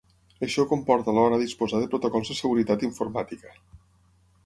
Això comporta alhora disposar de protocols de seguretat informàtica.